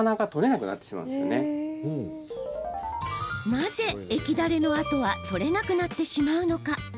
なぜ液垂れの跡は取れなくなってしまうのか？